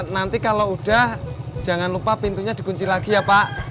nanti kalau udah jangan lupa pintunya dikunci lagi ya pak